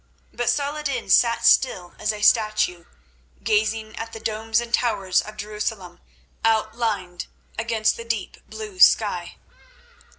But Saladin sat still as a statue, gazing at the domes and towers of Jerusalem outlined against the deep blue sky.